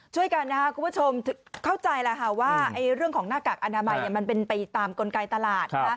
ช่วยกันนะครับคุณผู้ชมเข้าใจแล้วค่ะว่าเรื่องของหน้ากากอนามัยมันเป็นไปตามกลไกตลาด